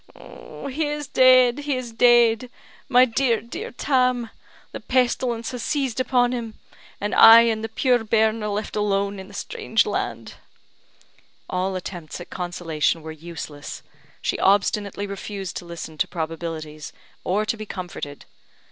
"He is dead! he is dead! My dear, dear Tam! The pestilence has seized upon him; and I and the puir bairn are left alone in the strange land." All attempts at consolation were useless; she obstinately refused to listen to probabilities, or to be comforted.